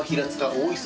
大磯